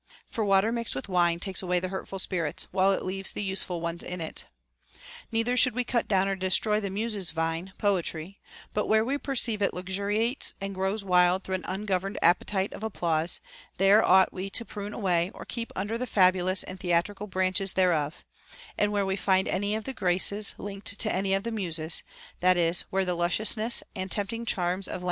For water mixed with wine takes away the hurtful spirits, while it leaves the useful ones in it, Neither should we cut down or destroy the Muses' vine, poetry ; but where we perceive it luxuriates and grows wild through an ungoverned appetite of ap plause, there ought we to prune away or keep under the fabulous and theatrical branches thereof; and where we find any of the Graces linked to any of the Muses, — that is, where the lusciousness and tempting charms of lan * II.